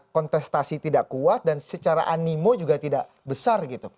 kontestasi tidak kuat dan secara animo juga tidak besar gitu